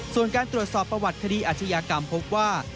ส่วนการตรวจสอบประวัติคดีอาชญากรรมพบว่า